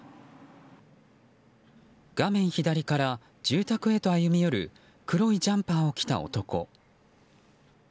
画面左から住宅へと歩み寄る黒いジャンパーを着た男。